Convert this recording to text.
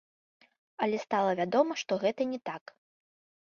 Але стала вядома, што гэта не так.